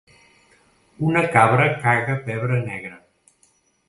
Una cabra caga pebre negre.